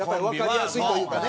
わかりやすいというかね。